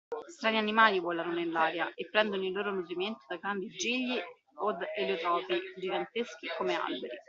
Strani animali volano nell’aria, e prendono il loro nutrimento da grandi gigli od eliotropi, giganteschi come alberi.